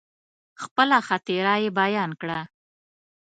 خپله خاطره يې بيان کړه.